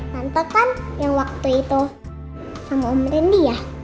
tante kan yang waktu itu sama om randy ya